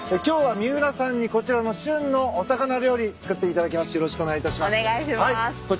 今日は三浦さんにこちらの旬のお魚料理作っていただきます。